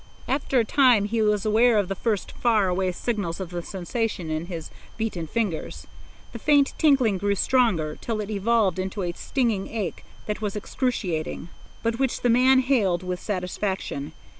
After a time he was aware of the first far away signals of sensation in his beaten fingers. The faint tingling grew stronger till it evolved into a stinging ache that was excruciating, but which the man hailed with satisfaction.